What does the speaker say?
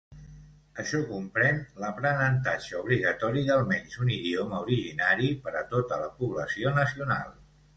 Això comprèn l'aprenentatge obligatori d'almenys un idioma originari per a tota la població nacional.